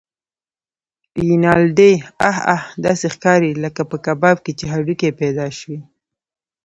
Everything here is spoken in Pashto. رینالډي: اه اه! داسې ښکارې لکه په کباب کې چې هډوکی پیدا شوی.